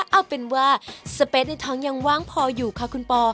เอาเป็นว่าสเปสในท้องยังว่างพออยู่ค่ะคุณปอ